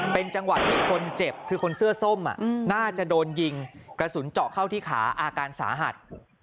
เป็นจังหวะที่คนเจ็บคือคนเสื้อส้มน่าจะโดนยิงกระสุนเจาะเข้าที่ขาอาการสาหัส